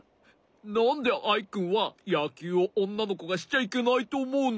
なんでアイくんはやきゅうをおんなのこがしちゃいけないとおもうの？